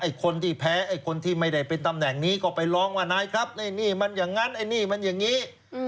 คนที่แพ้ไอ้คนที่ไม่ได้เป็นตำแหน่งนี้ก็ไปร้องว่านายครับไอ้นี่มันอย่างนั้นไอ้นี่มันอย่างนี้